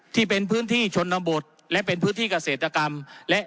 ที่เป็นพื้นที่ชนบทและเป็นพื้นที่เกษตรกรรมและ